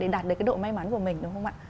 đạt được cái độ may mắn của mình đúng không ạ